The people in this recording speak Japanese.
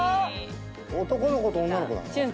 男の子と女の子なの？